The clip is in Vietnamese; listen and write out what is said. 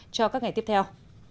cho các ngày tiếp theo